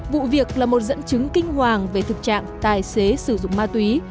vụ việc là một dẫn chứng kinh hoàng về thực trạng tài xế sử dụng ma túy